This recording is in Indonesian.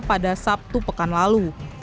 minggu minggu kan lalu